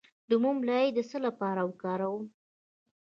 د موم لایی د څه لپاره وکاروم؟